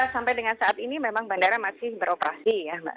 sampai dengan saat ini memang bandara masih beroperasi